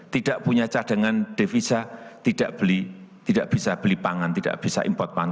tidak punya cadangan devisa tidak beli tidak bisa beli pangan tidak bisa import pangan